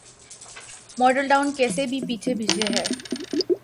Model Town case بھی پیچھے پیچھے ہے۔